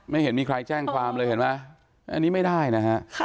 เห็นมีใครแจ้งความเลยเห็นไหมอันนี้ไม่ได้นะฮะ